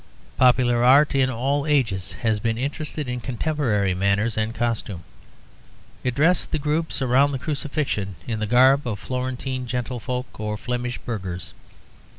Popular art in all ages has been interested in contemporary manners and costume; it dressed the groups around the Crucifixion in the garb of Florentine gentlefolk or Flemish burghers.